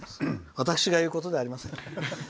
私が言うことではありませんが。